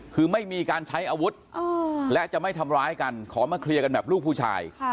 คือไม่มีการใช้อาวุธและจะไม่ทำร้ายกันขอมาเคลียร์กันแบบลูกผู้ชาย